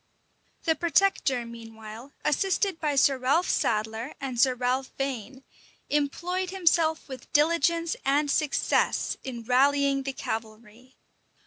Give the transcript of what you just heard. The protector, meanwhile, assisted by Sir Ralph Sadler and Sir Ralph Vane, employed himself with diligence and success in rallying the cavalry.